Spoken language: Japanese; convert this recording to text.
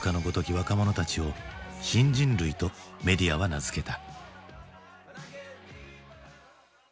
若者たちを「新人類」とメディアは名付けた。